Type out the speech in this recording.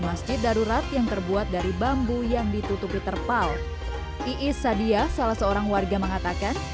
masjid darurat yang terbuat dari bambu yang ditutupi terpal iis sadia salah seorang warga mengatakan